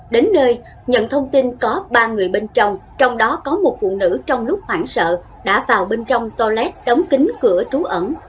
đến nơi nhận thông tin có ba người bên trong trong đó có một phụ nữ trong lúc hoảng sợ đã vào bên trong to lét đóng kính cửa trú ẩn